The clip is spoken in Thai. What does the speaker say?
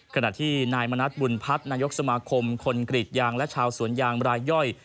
ขณะที่นายมณัฐบุญพัฒน์นายกสมาคมคนกรีดยางและชาวสวนยางรายย่อย